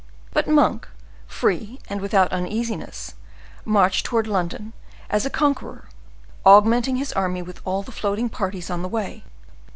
But Monk, free and without uneasiness, marched towards London as a conqueror, augmenting his army with all the floating parties on the way.